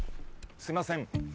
すいません